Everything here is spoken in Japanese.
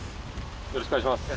よろしくお願いします。